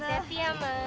sampai jumpa ya mak